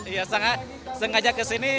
ya sangat sengaja kesini